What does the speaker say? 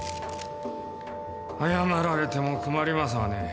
・謝られても困りますね。